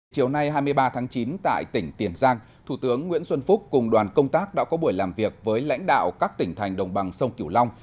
chiều nay hai mươi ba tháng chín tại tỉnh tiền giang thủ tướng nguyễn xuân phúc cùng đoàn công tác đã có buổi làm việc với lãnh đạo các tỉnh thành đồng bằng sông kiểu long